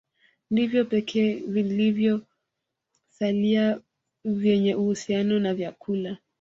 Ndivyo pekee vilivyosalia vyenye uhusiano na vyakula